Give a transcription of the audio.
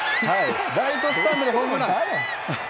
ライトスタンドへホームラン。